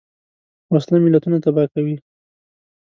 وسله ملتونه تباه کوي